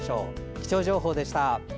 気象情報でした。